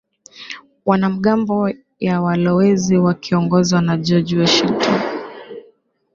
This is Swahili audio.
wanamgambo ya walowezi wakioongozwa na George Washington